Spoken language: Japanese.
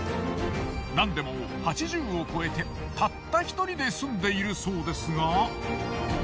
なんでも８０を超えてたった１人で住んでいるそうですが。